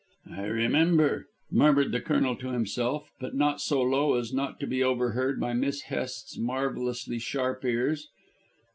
"I remember," murmured the Colonel to himself, but not so low as not to be overheard by Miss Hest's marvellously sharp ears.